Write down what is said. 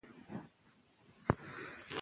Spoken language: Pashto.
مور د ماشوم د ناروغۍ لومړنۍ نښې ويني.